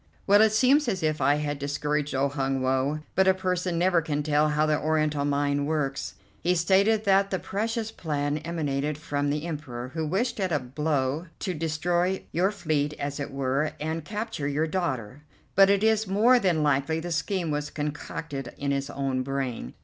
"Well, it seems as if I had discouraged old Hun Woe, but a person never can tell how the Oriental mind works. He stated that the precious plan emanated from the Emperor, who wished at a blow to destroy your fleet, as it were, and capture your daughter; but it is more than likely the scheme was concocted in his own brain.